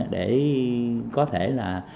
để có thể là